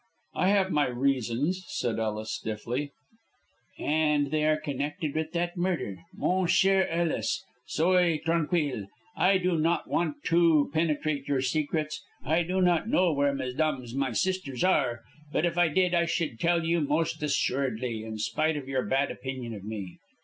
"I have my reasons," said Ellis, stiffly. "And they are connected with that murder. Mon cher Ellis, soyez tranquil. I do not want to penetrate your secrets. I do not know where mesdames my sisters are. If I did I should tell you most assuredly, in spite of your bad opinion of me.